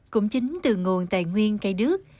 cũng chính từ nguồn tài nguyên cây đước